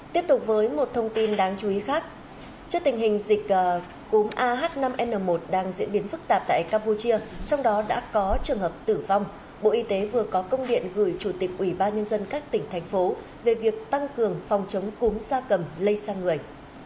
tiếp tục với một thông tin đáng chú ý khác trước tình hình dịch cúm ah năm n một đang diễn biến phức tạp tại campuchia trong đó đã có trường hợp tử vong bộ y tế vừa có công điện gửi chủ tịch ubnd các tỉnh thành phố về việc tăng cường phòng chống cúm gia cầm lây sang người